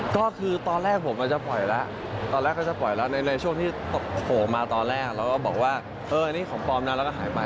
ก็คือตอนแรกผมอาจจะปล่อยแล้วตอนแรกก็จะปล่อยแล้วในช่วงที่โผล่มาตอนแรกแล้วก็บอกว่าเอออันนี้ของปลอมนะแล้วก็หายไป